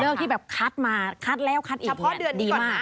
เลิกที่แบบคัดมาคัดแล้วคัดอีกดีมาก